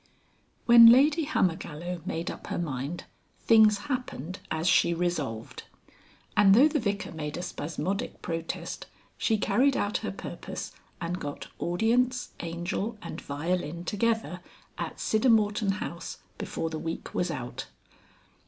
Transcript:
XXXIV. When Lady Hammergallow made up her mind, things happened as she resolved. And though the Vicar made a spasmodic protest, she carried out her purpose and got audience, Angel, and violin together, at Siddermorton House before the week was out.